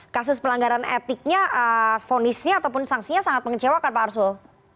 kasus pelanggaran etiknya fonisnya ataupun sanksinya sangat mengecewakan pak arsul